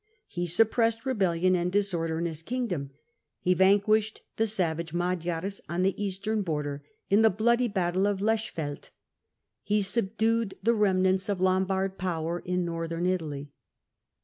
He suppressed rebellion and disorder in his kingdom; he vanquished the savage Magyars on the eastern border in the bloody battle of the Lechfeld ; he subdued the remnants of Lombard power in Northern Italy.